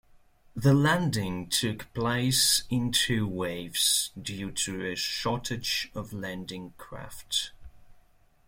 The landing took place in two waves due to a shortage of landing craft.